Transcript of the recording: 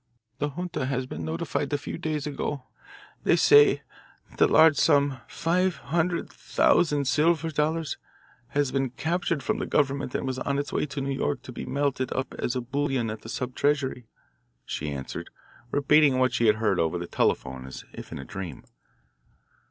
"The junta had been notified a few days ago, they say, that a large sum five hundred thousand silver dollars had been captured from the government and was on its way to New York to be melted up as bullion at the sub treasury," she answered, repeating what she had heard over the telephone as if in a dream.